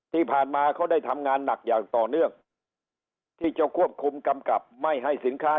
ที่ผ่านมาเขาได้ทำงานหนักอย่างต่อเนื่องที่จะควบคุมกำกับไม่ให้สินค้า